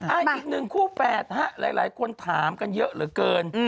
อีกหนึ่งคู่แฝดฮะหลายคนถามกันเยอะเหลือเกิน